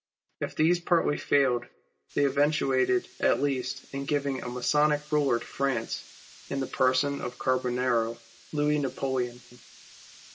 If these partly failed, they eventuated at least in giving a Masonic Euler to France in the person of the Carbonaro, Louis Napoleon.